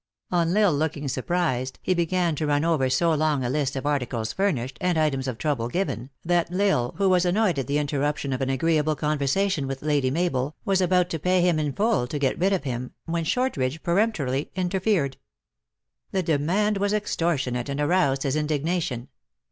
On L Isle looking surprised, he began to run over so long a list of articles furnished, and items of trouble given, that L Isle, who was annoyed at the interruption of an agreeable conversation with Lady Mabel, was about to pay him in full to get rid of him, when Short ridge peremptorily interfered. The demand was ex tortionate and aroused his indignation.